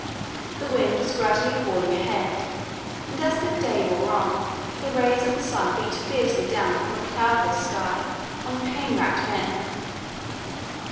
The wind was gradually hauling ahead, and as the day wore on the rays of the sun beat fiercely down from a cloudless sky on pain racked men.